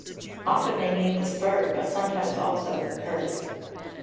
Often they need the spur, but sometimes also the curb.